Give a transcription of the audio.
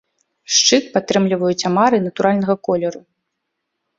Шчыт падтрымліваюць амары натуральнага колеру.